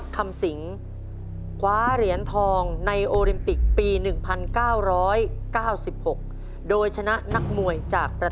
ตัวเลือกที่สี่ครับคาสักสถานครับ